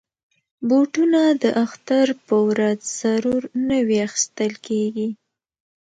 بوټونه د اختر په ورځ ضرور نوي اخیستل کېږي.